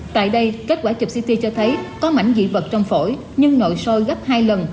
tại đây kết quả chụp ct cho thấy có mảnh dị vật trong phổi nhưng nội sôi gấp hai lần